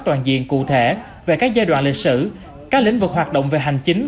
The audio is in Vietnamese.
toàn diện cụ thể về các giai đoạn lịch sử các lĩnh vực hoạt động về hành chính